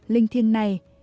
linh thiên này